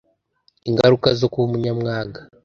Ingaruka zo kuba umunyamwaga